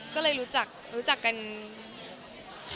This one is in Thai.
ก็เลยรู้จักกันค่ะ